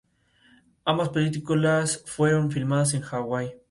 Ambas películas fueron filmadas en Hawaii.